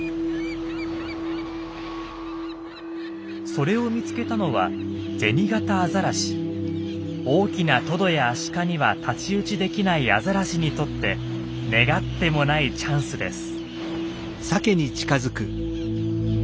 それを見つけたのは大きなトドやアシカには太刀打ちできないアザラシにとって願ってもないチャンスです。